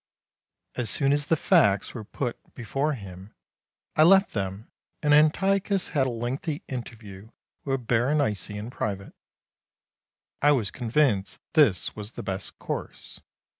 As soon as the facts were put before him I left them and Antiochus had a lengthy interview with Berenice in private. I was convinced this was the best course.